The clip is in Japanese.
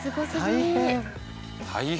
大変。